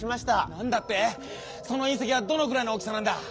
なんだって⁉そのいん石はどのくらいの大きさなんだ？